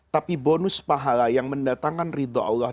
tapi bonus pahala yang mendatangkan ridho allah